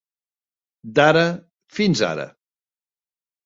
D'ara, fins ara.